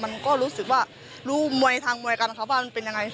มันก็รู้สึกว่ารู้มวยทางมวยกันครับว่ามันเป็นยังไง